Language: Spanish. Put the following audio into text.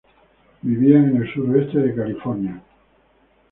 Vivían en el suroeste de California.